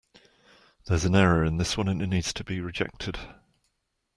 The dog was wagged its tail.